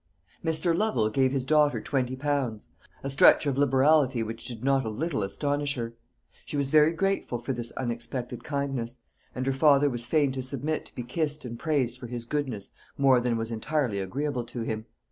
Mr. Lovel gave his daughter twenty pounds; a stretch of liberality which did not a little astonish her. She was very grateful for this unexpected kindness; and her father was fain to submit to be kissed and praised for his goodness more than was entirely agreeable to him.